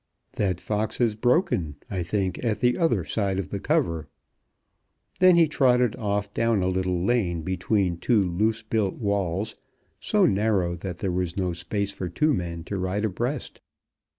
That fox has broken, I think, at the other side of the cover." Then he trotted off down a little lane between two loose built walls, so narrow that there was no space for two men to ride abreast.